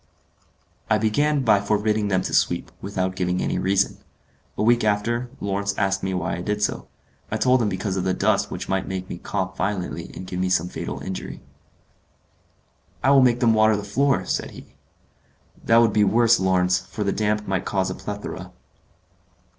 I began by forbidding them to sweep, without giving any reason. A week after, Lawrence asked me why I did so. I told him because of the dust which might make me cough violently and give me some fatal injury. "I will make them water the floor," said he. "That would be worse, Lawrence, for the damp might cause a plethora."